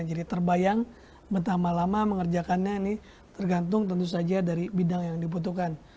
jadi terbayang pertama lama mengerjakannya ini tergantung tentu saja dari bidangnya